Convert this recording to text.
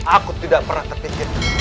aku tidak pernah terpikir